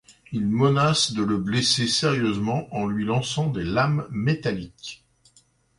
Il menace de le blesser sérieusement en lui lançant des lames métalliques.